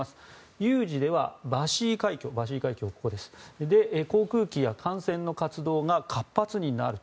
有事ではバシー海峡で航空機や艦船の活動が活発になると。